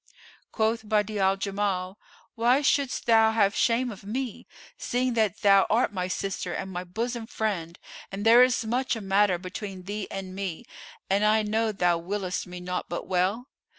Quoth Badi'a al Jamal, "Why shouldst thou have shame of me, seeing that thou art my sister and my bosom friend and there is muchel a matter between thee and me and I know thou willest me naught but well?